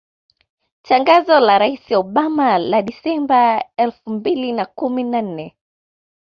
Tangazo la Rais Obama la Disemba elfu mbili na kumi na nne